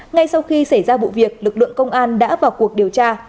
ngay sau khi xảy ra vụ việc lực lượng công an đã vào cuộc điều tra